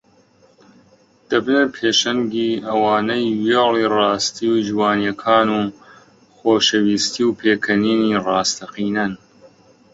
دەبنە پێشەنگی ئەوانەی وێڵی ڕاستی و جوانییەکان و خۆشەویستی و پێکەنینی ڕاستەقینەن